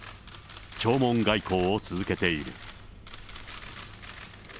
弔問外交を続けている。